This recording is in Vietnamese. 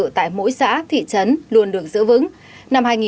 các xã thị trấn luôn được giữ vững